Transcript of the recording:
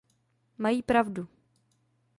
Mají pravdu.